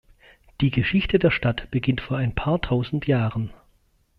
Die Geschichte der Stadt beginnt vor ein paar tausend Jahren.